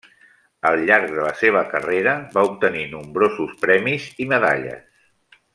Al llarg de la seva carrera va obtenir nombrosos premis i medalles.